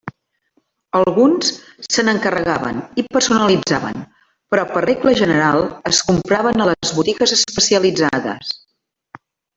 Alguns se n'encarregaven i personalitzaven però per regla general es compraven a les botigues especialitzades.